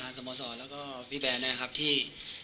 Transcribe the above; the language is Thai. แล้วก็พี่แบ๋นนะครับที่